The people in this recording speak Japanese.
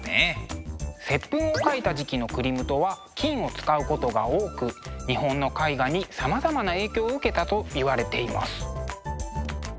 「接吻」を描いた時期のクリムトは金を使うことが多く日本の絵画にさまざまな影響を受けたといわれています。